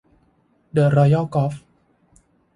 เดอะรอยัลกอล์ฟ